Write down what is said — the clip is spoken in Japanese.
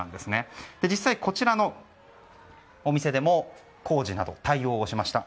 実際、こちらのお店でも工事など対応をしました。